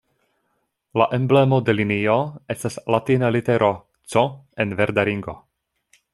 La emblemo de linio estas latina litero "C" en verda ringo.